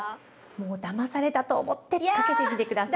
もうだまされたと思ってかけてみて下さい。